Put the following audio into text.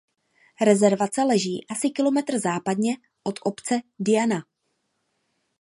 Rezervace leží asi kilometr západně od obce Diana.